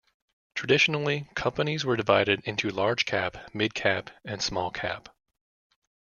Traditionally, companies were divided into large-cap, mid-cap, and small-cap.